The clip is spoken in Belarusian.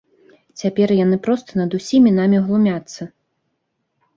Цяпер яны проста над усімі намі глумяцца.